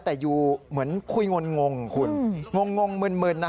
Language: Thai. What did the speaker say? แต่อยู่เหมือนคุยงงงคุณงงงงมืนมืนนะฮะ